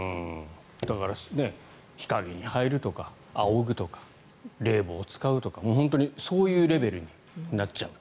だから、日陰に入るとかあおぐとか、冷房を使うとか本当にそういうレベルになっちゃう。